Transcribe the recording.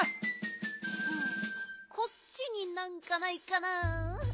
こっちになんかないかな。